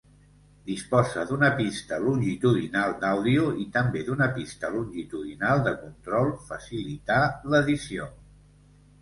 Disposa d'una pista longitudinal d'àudio i també d'una pista longitudinal de control facilitar l'edició.